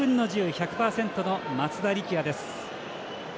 １００％の松田力也です。